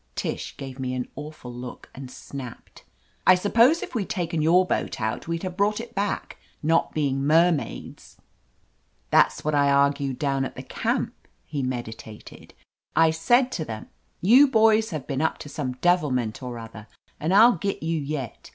Tish gave me an awful look, and snapped : "I suppose if we'd taken your boat out, we'd have brought it back, not being mermaids." ^'That's what I .argued down at the camp," he meditated. "I said to them, ^you boys have been up to some devilment or other, and I'll git you yet.